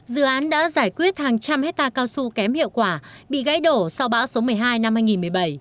dự án đã giải quyết hàng trăm hectare cao su kém hiệu quả bị gãy đổ sau bão số một mươi hai năm hai nghìn một mươi bảy